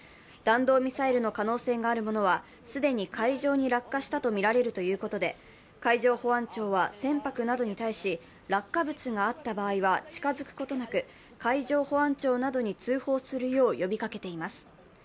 弾道ミサイルの可能性があるものは既に海上に落下したとみられるということで海上保安庁は船舶などに対し、落下物があった場合は近づくことなく海上保安庁などに通報するよう呼びかけています。